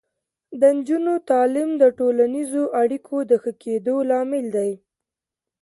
د نجونو تعلیم د ټولنیزو اړیکو د ښه کیدو لامل دی.